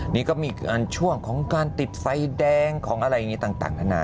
นี่ก็มีช่วงของการติดไฟแดงของอะไรอย่างนี้ต่างนานา